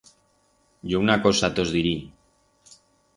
Yo una cosa tos dirí.